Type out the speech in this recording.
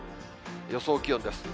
予想気温です。